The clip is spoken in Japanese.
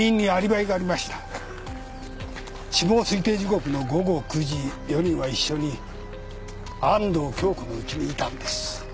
死亡推定時刻の午後９時４人は一緒に安藤杏子のうちにいたんです。